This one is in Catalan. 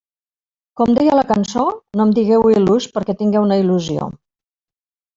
Com deia la cançó, no em digueu il·lús perquè tinga una il·lusió.